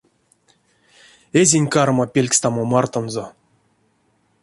Эзинь карма пелькстамо мартонзо.